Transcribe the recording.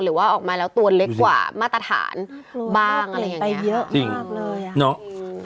หรือว่าออกมาแล้วตัวเล็กกว่ามาตรฐานบ้างอะไรอย่างเนี่ย